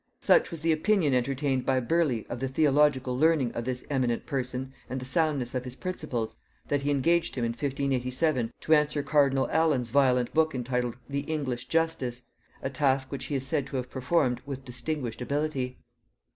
Such was the opinion entertained by Burleigh of the theological learning of this eminent person and the soundness of his principles, that he engaged him in 1587 to answer Cardinal Allen's violent book entitled "The English Justice;" a task which he is said to have performed with distinguished ability.